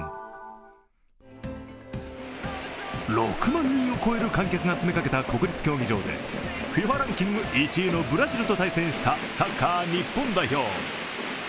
６万人を超える観客が詰めかけた国立競技場でＦＩＦＡランキング１位のブラジルと対戦したサッカー日本代表。